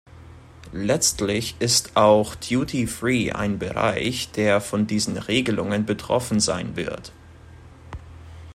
Letztlich ist auch Duty Free ein Bereich, der von diesen Regelungen betroffen sein wird.